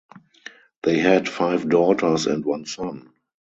They had five daughters and one son.